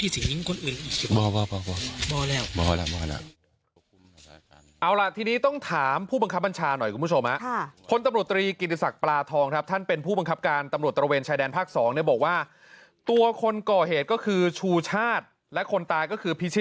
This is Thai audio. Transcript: สิบหน่อยต้องสิบอันดับนี้